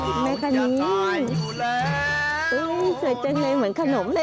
อื้อแม้คะเง้งอื้อสวยจังเลยเหมือนขนมเลย